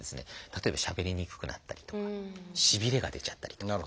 例えばしゃべりにくくなったりとかしびれが出ちゃったりとか。